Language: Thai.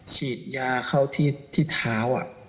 ฉีดยาเข้าที่เท้า